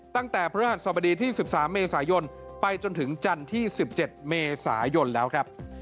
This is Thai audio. ตั้งแต่พฤหัสสบดีที่๑๓เมษายนไปจนถึงจันทร์ที่๑๗เมษายนแล้วครับ